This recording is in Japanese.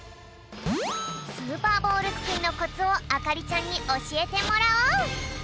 スーパーボールすくいのコツをあかりちゃんにおしえてもらおう！